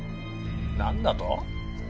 何だと？